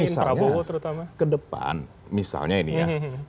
misalnya ke depan misalnya ini ya